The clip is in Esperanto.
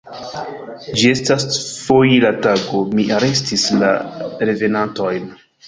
Ĝi estis foira tago: mi arestis la revenantojn.